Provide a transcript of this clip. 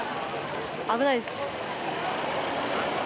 危ないです。